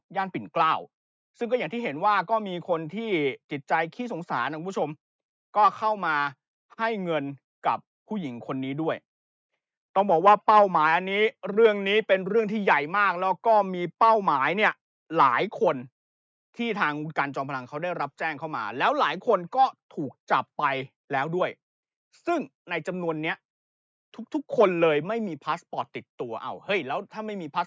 ปิ่นเกล้าซึ่งก็อย่างที่เห็นว่าก็มีคนที่จิตใจขี้สงสารนะคุณผู้ชมก็เข้ามาให้เงินกับผู้หญิงคนนี้ด้วยต้องบอกว่าเป้าหมายอันนี้เรื่องนี้เป็นเรื่องที่ใหญ่มากแล้วก็มีเป้าหมายเนี่ยหลายคนนะครับที่ทางคุณกันจอมพลังเขาได้รับแจ้งเข้ามาแล้วหลายคนก็ถูกจับไปแล้วด้วยซึ่งในจำนวนนี้ทุกทุกคนเลยไม่มีพาสปอร์ตติดตัวเอาเฮ้ยแล้วถ้าไม่มีพาร์